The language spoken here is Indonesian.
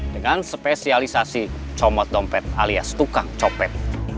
dengan spesialisasi comot dompet alias tukang copet